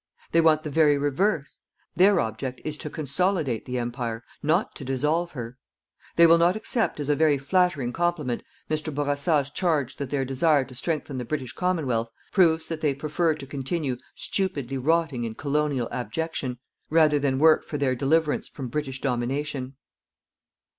They want the very reverse: their object is TO CONSOLIDATE THE EMPIRE, not TO DISSOLVE HER. They will not accept as a very flattering compliment Mr. Bourassa's charge that their desire to strengthen the British Commonwealth proves that they prefer to continue stupidly rotting in colonial abjection rather than work for their deliverance from British domination.